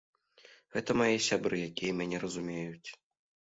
Гэта мае сябры, якія мяне разумеюць.